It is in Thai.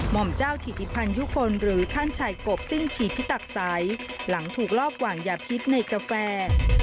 มอมเจ้าถิดิพันธุ์ยุคนหรือท่านชายกบซิ่งฉีดพิตักใสหลังถูกลอบหว่างยาพิษในกาแฟ